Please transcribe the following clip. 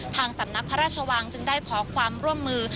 ทางสำนักพระราชวังจึงได้ขอความร่วมมือ